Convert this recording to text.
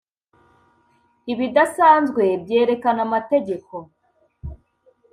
ibidasanzwe byerekana amategeko